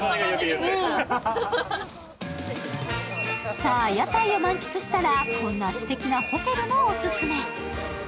さあ、屋台を満喫したらこんなすてきなホテルもオススメ。